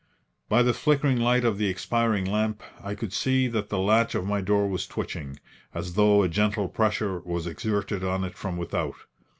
By the flickering light of the expiring lamp I could see that the latch of my door was twitching, as though a gentle pressure was exerted on it from without.